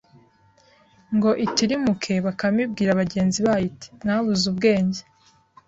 Ngo itirimuke, Bakame ibwira bagenzi bayo iti mwabuze ubwenge